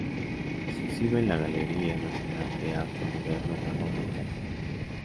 Se exhibe en la Galería Nacional de Arte Moderno de Roma, Italia.